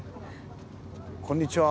こんにちは。